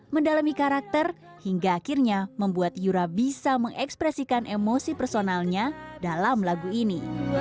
mendalami karakter hingga akhirnya membuat yura bisa mengekspresikan emosi personalnya dalam lagu ini